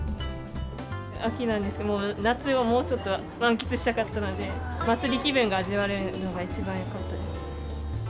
秋なんですけど、もう夏をもうちょっと満喫したかったので、祭り気分が味わえるのが一番よかったです。